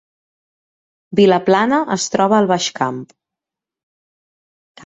Vilaplana es troba al Baix Camp